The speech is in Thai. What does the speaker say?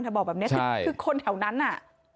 เธอบอกแบบเนี้ยคือคนแถวนั้นอะ